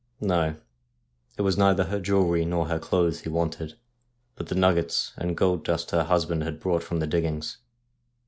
No, it was neither her jewellery nor her clothes he wanted, but the nuggets and gold dust her husband had brought from the diggings.